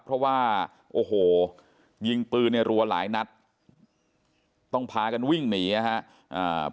เพราะว่าโอ้โหยิงปืนในรัวหลายนัดต้องพากันวิ่งหนีนะครับ